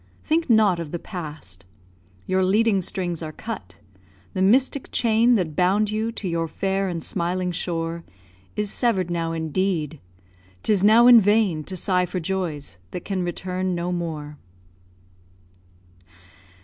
Think not of the past; Your leading strings are cut; the mystic chain That bound you to your fair and smiling shore Is sever'd now, indeed. 'Tis now in vain To sigh for joys that can return no more.